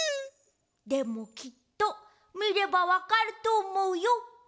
でもきっとみればわかるとおもうよ。